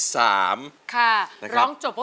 ค่ะร้องจบลงไปแล้วสำหรับเพลง๓